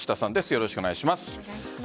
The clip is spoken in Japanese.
よろしくお願いします。